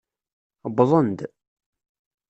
Wwḍen-d.